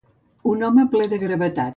Un home ple de gravetat.